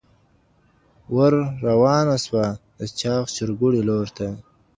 ور روانه سوه د چاغ چرګوړي لورته